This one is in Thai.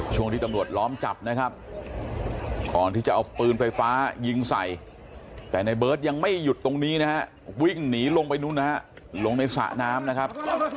ช่วงที่ตำรวจล้อมจับนะครับก่อนที่จะเอาปืนไฟฟ้ายิงใส่แต่ในเบิร์ตยังไม่หยุดตรงนี้นะฮะวิ่งหนีลงไปนู่นนะฮะลงในสระน้ำนะครับ